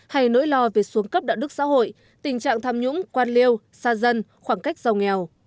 hay nỗi lo về xuống cấp đạo đức xã hội tình trạng tham nhũng quan liêu xa dân khoảng cách giàu nghèo